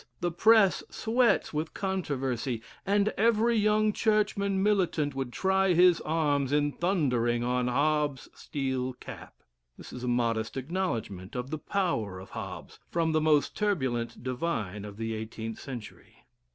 The press sweats with controversy; and every young churchman militant would try his arms in thundering on Hobbes's steel cap." This is a modest acknowledgment of the power of Hobbes, from the most turbulent divine of the eighteenth century.